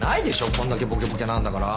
こんだけぼけぼけなんだから。